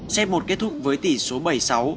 c một kết thúc với tỷ số bảy mươi sáu